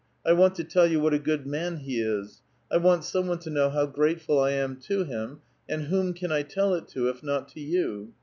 1 want to tell j'ou what a good man he is ; 1 want some one "to know how grateful I am to him ; and whom can I tell it to if not to you?